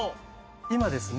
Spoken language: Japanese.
今ですね